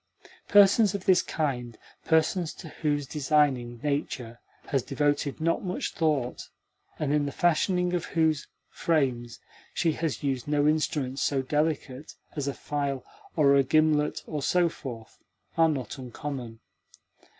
Persons of this kind persons to whose designing nature has devoted not much thought, and in the fashioning of whose frames she has used no instruments so delicate as a file or a gimlet and so forth are not uncommon.